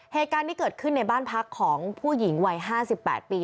เหตุการณ์นี้เกิดขึ้นในบ้านพักของผู้หญิงวัย๕๘ปี